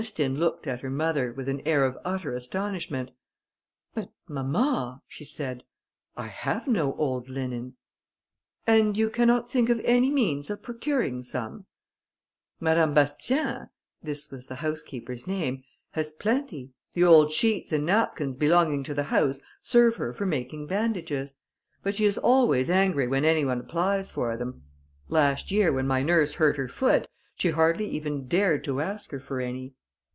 Ernestine looked at her mother, with an air of utter astonishment. "But, mamma," she said, "I have no old linen." "And you cannot think of any means of procuring some?" "Madame Bastien" (this was the housekeeper's name) "has plenty; the old sheets and napkins belonging to the house serve her for making bandages; but she is always angry when any one applies for them. Last year, when my nurse hurt her foot, she hardly even dared to ask her for any."